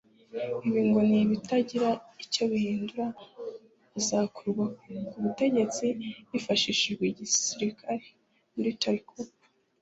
Ibi ngo nibitagira icyo bihindura azakurwa ku butegetsi hifashishijwe igisirikare (military coup)